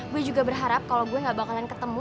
gue juga berharap kalau gue gak bakalan ketemu